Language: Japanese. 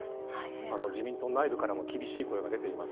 自民党内部からも厳しい声が出ています。